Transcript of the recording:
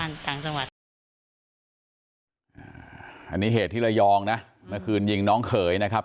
อันนี้เหตุที่ระยองนะเมื่อคืนยิงน้องเขยนะครับ